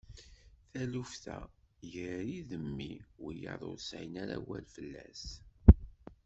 Taluft-a gar-i d mmi, wiyiḍ ur sɛin ara awal fell-as.